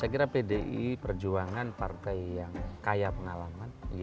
saya kira pdi perjuangan partai yang kaya pengalaman